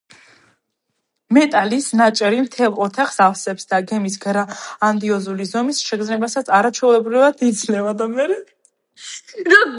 მეტალის ნაჭერი მთელ ოთახს ავსებს და გემის გრანდიოზული ზომის შეგრძნებასაც არაჩვეულებრივად იძლევა.